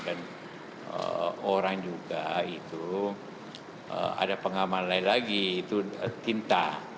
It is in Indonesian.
dan orang juga itu ada pengaman lain lagi itu tinta